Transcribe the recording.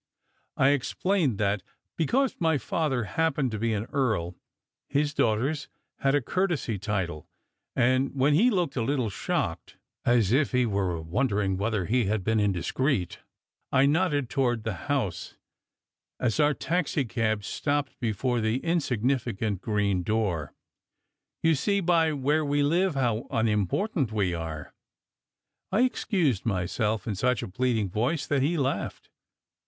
I explained that, because my father happened to be an earl, his daughters had a courtesy title; and when he looked a little shocked, as if he were wondering whether he had been indiscreet, I nodded toward the house, as our taxi cab stopped before the insignificant green door. "You see by where we live how unimportant we are!" I ex cused myself in such a pleading voice that he laughed.